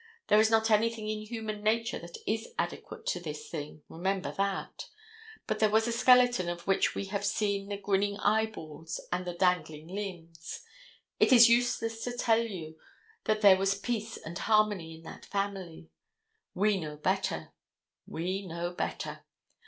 There is not anything in human nature that is adequate to this thing—remember that. But there was a skeleton of which we have seen the grinning eyeballs and the dangling limbs. It is useless to tell you that there was peace and harmony in that family. We know better. We know better.